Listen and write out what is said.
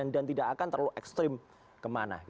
dan tidak akan terlalu ekstrim kemana